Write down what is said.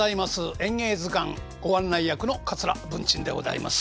「演芸図鑑」ご案内役の桂文珍でございます。